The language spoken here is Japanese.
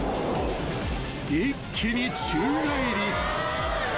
［一気に宙返り］